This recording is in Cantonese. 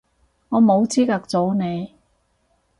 我冇資格阻你